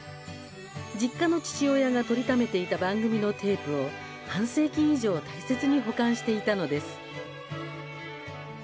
実家の父親がとりためていた番組のテープを半世紀以上大切に保管していたのです。